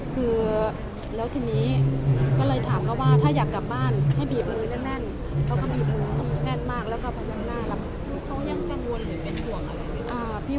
คือแล้วทีนี้ก็เลยถามเขาว่าถ้าอยากกลับบ้านให้บีบมือแน่นแน่นเขาก็บีบมือแน่นมากแล้วก็แบบนั้นน่ารับ